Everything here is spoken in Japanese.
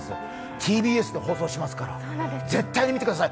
ＴＢＳで放送しますから、絶対見てください。